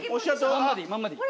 まんまでいいまんまでいい。